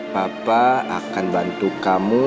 papa akan bantu kamu